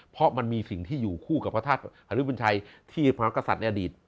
เพราะมันมีสิ่งที่อยู่คู่กับพระธาตุอริบุญชัยที่พระกษัตริย์ในอดีต